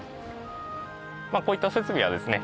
こういった設備はですね